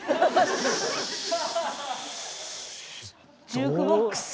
ジュークボックス。